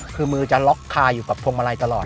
คือมือจะล็อกคาอยู่กับพวงมาลัยตลอด